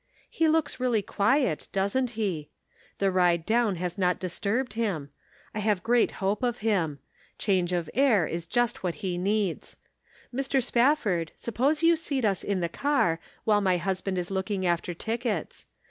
He looks very quiet, doesn't he ? The ride down has not disturbed him ; I have great hope of him ; change of air is just what he needs. Mr. Spafford sup pose you seat us in the car, while my husband is looking after tickets.